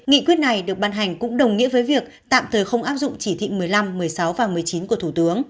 nghị quyết này được ban hành cũng đồng nghĩa với việc tạm thời không áp dụng chỉ thị một mươi năm một mươi sáu và một mươi chín của thủ tướng